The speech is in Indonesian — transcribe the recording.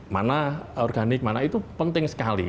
mana organik mana itu penting sekali